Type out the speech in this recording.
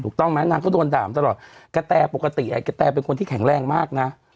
ถูกต้องไหมนางก็โดนด่าตลอดกะแตปกติกระแตเป็นคนที่แข็งแรงมากนะ